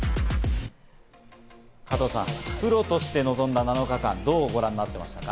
加藤さん、プロとして臨んだ７日間、どうご覧になっていましたか？